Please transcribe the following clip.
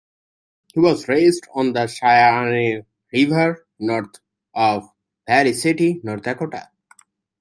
He was raised on the Sheyenne River, north of Valley City, North Dakota.